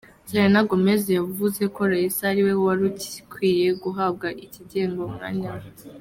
Serena Gomez yavuze ko Raisa ariwe warukwiye guhabwa iki gihembo mu mwanya we.